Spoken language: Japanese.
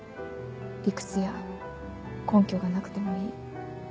理屈や根拠がなくてもいい。